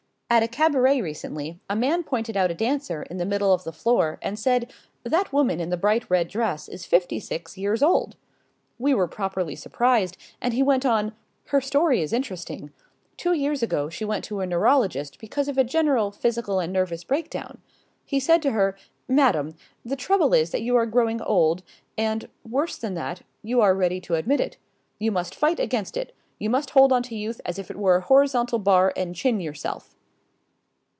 At a cabaret recently a man pointed out a dancer in the middle of the floor and said: "That woman in the bright red dress is fifty six years old." We were properly surprised, and he went on: "Her story is interesting. Two years ago she went to a neurologist because of a general physical and nervous breakdown. He said to her: 'Madam, the trouble is that you are growing old, and, worse than that, you are ready to admit it. You must fight against it. You must hold on to youth as if it were a horizontal bar and chin yourself.'"